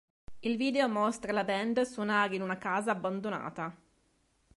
Il video mostra la band suonare in una casa abbandonata.